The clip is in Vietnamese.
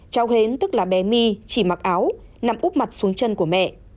cháu hến tức là bé my chỉ mặc áo nằm úp mặt xuống chân của mẹ